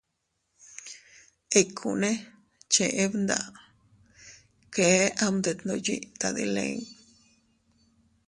Ikkune cheʼe mdaʼa, kee am detndoʼo yiʼi tadilin.